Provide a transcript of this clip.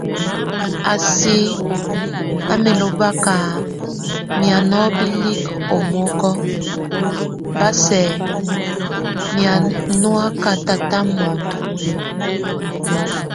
A si á mɛlobá ka miaŋo bilík omokok, bá sɛk miaŋóak táta mondo.